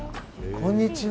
こんにちは。